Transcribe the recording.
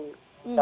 lebih lanjut ya